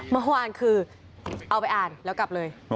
เมื่อวานคือเอาไปอ่านแล้วกลับเลย